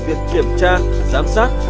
việc kiểm tra giám sát